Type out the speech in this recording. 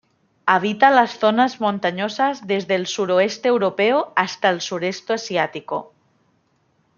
Habita las zonas montañosas desde el suroeste europeo hasta el sureste asiático.